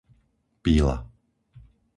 Píla